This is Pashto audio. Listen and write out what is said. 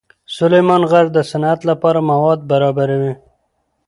سلیمان غر د صنعت لپاره مواد برابروي.